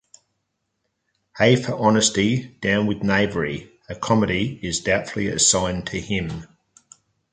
"Hey for Honesty, down with Knavery", a comedy, is doubtfully assigned to him.